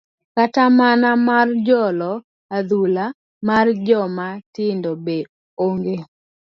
kata mana mar jolo adhula mar joma tindo be onge?